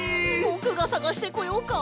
ぼくがさがしてこようか！？